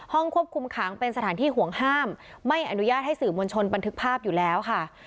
ห้องควบคุมขังเป็นสถานที่ห่วงห้ามไม่อนุญาตให้สื่อมวลชนบันทึกภาพอยู่แล้วค่ะ